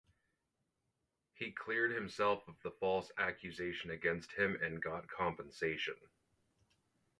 He cleared himself of the false accusation against him and got compensation.